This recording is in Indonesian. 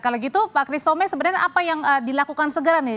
kalau gitu pak kristome sebenarnya apa yang dilakukan segera nih